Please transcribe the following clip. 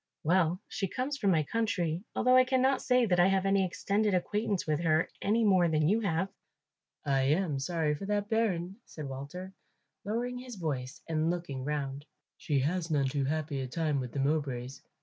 "Well, she comes from my country, although I cannot say that I have any extended acquaintance with her any more than you have." "I am sorry for that bairn," said Walter, lowering his voice and looking round; "she has none too happy a time with the Mowbrays.